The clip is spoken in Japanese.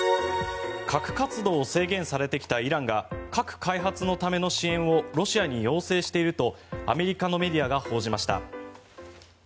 核活動を制限されてきたイランが核開発のための支援をロシアに要請しているとアメリカのメディアが報じました。